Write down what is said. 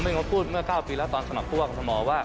ผมเองเค้าพูดเมื่อ๙ปีแล้วตอนสมัครกับคุณธรรมว่า